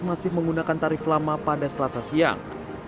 masih menggunakan tarif lama pada selasa siang